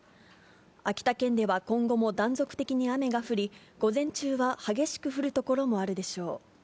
秋田県では今後も断続的に雨が降り、午前中は激しく降る所もあるでしょう。